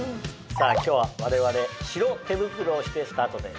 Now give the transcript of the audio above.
さぁ今日は我々白手袋をしてスタートです。